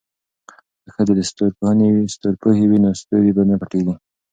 که ښځې ستورپوهې وي نو ستوري به نه پټیږي.